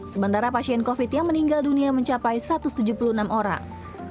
sementara pasien covid yang meninggal dunia mencapai satu ratus tujuh puluh enam orang